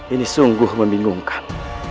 ini sungguh membingungkan